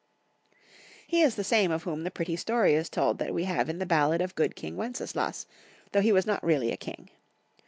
He is the same of whom the pretty story is told that we have in the ballad of " Good King Wenceslas," though he was not really a king.